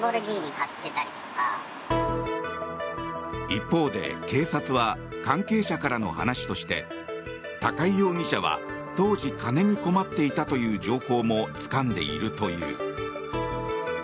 一方で、警察は関係者からの話として高井容疑者は当時、金に困っていたという情報もつかんでいるという。